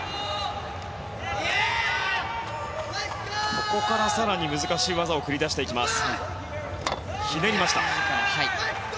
ここから更に難しい技を繰り出してきます。